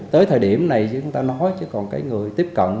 tới thời điểm này như chúng ta nói chứ còn cái người tiếp cận